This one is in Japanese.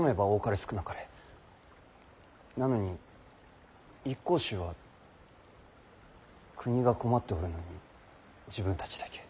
なのに一向宗は国が困っておるのに自分たちだけ。